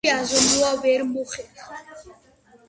მათი აზომვა ვერ მოხერხდა.